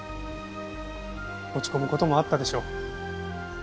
落ち込む事もあったでしょう。